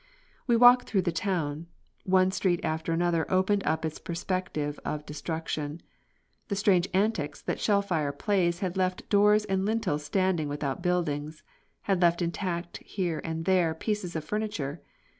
We walked through the town. One street after another opened up its perspective of destruction. The strange antics that shell fire plays had left doors and lintels standing without buildings, had left intact here and there pieces of furniture.